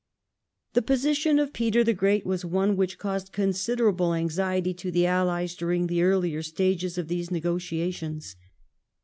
The position of Peter the Great was one which caused considerable anxiety to the Allies during the earlier stages of these negotiations.